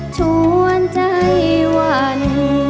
ชวนใจวัน